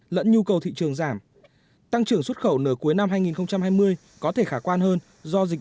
lẫn nhu cầu thị trường giảm tăng trưởng xuất khẩu nửa cuối năm hai nghìn hai mươi có thể khả quan hơn do dịch